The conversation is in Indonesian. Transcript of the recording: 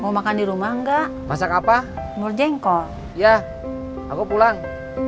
ya mau makan di rumah enggak masa kapa nur jengkol ya aku pulang